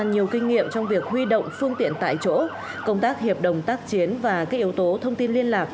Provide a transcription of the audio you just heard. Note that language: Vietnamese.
nhiều kinh nghiệm trong việc huy động phương tiện tại chỗ công tác hiệp đồng tác chiến và các yếu tố thông tin liên lạc